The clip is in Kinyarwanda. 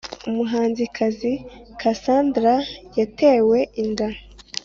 Umuhanzikazi cassandra yatewe inda